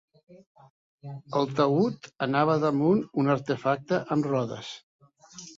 El taüt anava damunt un artefacte amb rodes.